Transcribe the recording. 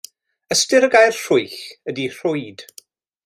Ystyr y gair rhwyll ydy rhwyd.